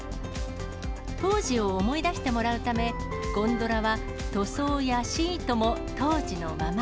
当時を思い出してもらうため、ゴンドラは塗装やシートも当時のまま。